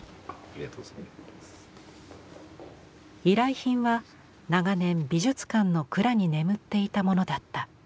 依頼品は長年美術館の蔵に眠っていたものだった。